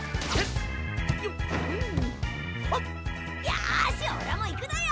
よしおらも行くだよ！